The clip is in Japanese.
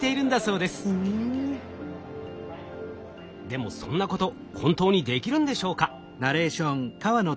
でもそんなこと本当にできるんでしょうか？